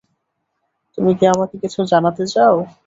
তুমি কি আমাকে কিছু জানাতে চাও?